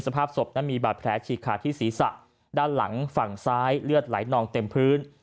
สภาพศพนั้นมีบาดแผลฉีกขาดที่ศีรษะด้านหลังฝั่งซ้ายเลือดไหลนองเต็มพื้น